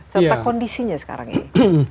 serta kondisinya sekarang ini